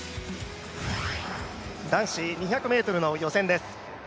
男子２００ｍの予選です。